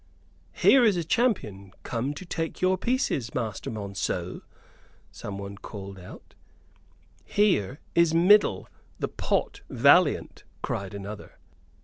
"Here is a champion come to take your pieces, Master Monceux," someone called out. "Here is Middle, the pot valiant," cried another.